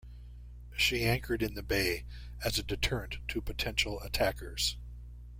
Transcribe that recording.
She anchored in the bay as a deterrent to potential attackers.